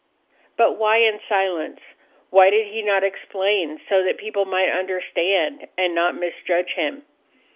But why in silence? Why did he not explain so that people might understand and not misjudge him?